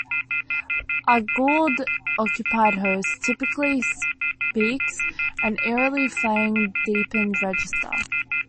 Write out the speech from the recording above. A Goa'uld-occupied host typically speaks in an eerily flanged, deepened register.